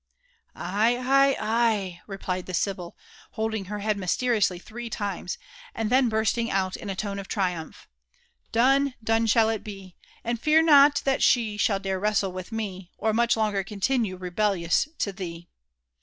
*' Ay — ay — ay," replied the.sybiU nodding her head mysteriously three times, and then bursting out in a tone of triumph : JONATHAN JEFFERSON WHITLAW. 125 " Done! done it shall be ! And fear not that she l^halldare wrestle with me, Or much longer continue rebellious to thee."